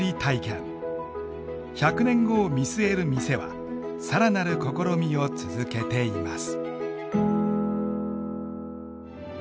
１００年後を見据える店は更なる試みを続けています。